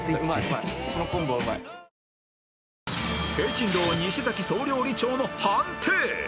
［聘珍樓西崎総料理長の判定］